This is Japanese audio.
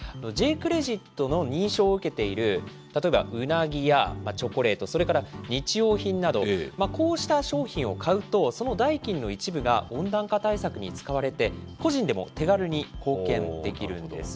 クレジットの認証を受けている、例えばうなぎやチョコレート、それから日用品など、こうした商品を買うと、その代金の一部が、温暖化対策に使われて、個人でも手軽に貢献できるんです。